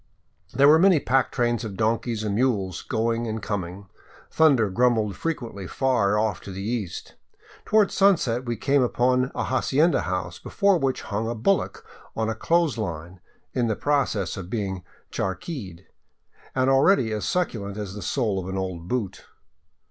There were many pack trains of donkeys and mules going and coming. Thunder grumbled frequently far ofif to the east. Toward sunset we came upon an hacienda house before which hung a bullock on a clothes line — In the process of being charquied, and already as succulent as the sole of an old boot.